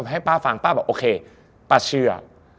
ให้ป้าฟังป้าบอกโอเคป้าเชื่อ